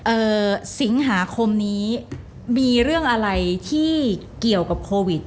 เอ่อสิงหาคมนี้มีเรื่องอะไรที่เกี่ยวกับโควิด